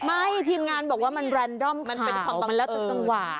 ไม่ทีมงานบอกว่ามันแบรนด์ด้อมข่าวมันแล้วต้องหว่า